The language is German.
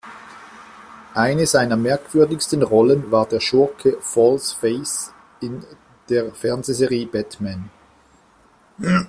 Eine seiner merkwürdigsten Rollen war der Schurke "False Face" in der Fernsehserie "Batman".